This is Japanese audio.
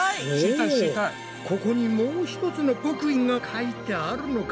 おここにもう一つの極意が書いてあるのか？